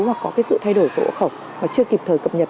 hoặc có cái sự thay đổi sổ hộ khẩu mà chưa kịp thời cập nhật